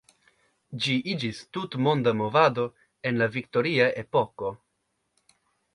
Ĝi iĝis tutlanda movado en la Viktoria epoko.